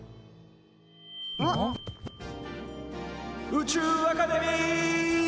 宇宙アカデミー！